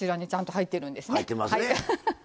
入ってますね。